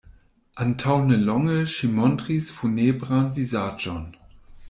Antaŭ ne longe ŝi montris funebran vizaĝon.